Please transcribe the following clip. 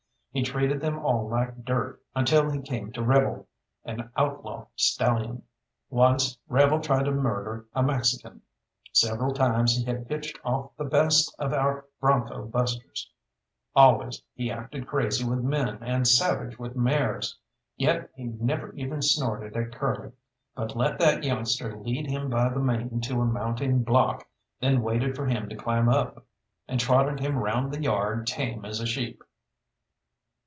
He treated them all like dirt until he came to Rebel, an outlaw stallion. Once Rebel tried to murder a Mexican; several times he had pitched off the best of our broncho busters; always he acted crazy with men and savage with mares. Yet he never even snorted at Curly, but let that youngster lead him by the mane to a mounting block; then waited for him to climb up, and trotted him round the yard tame as a sheep.